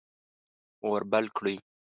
اور بل کړئ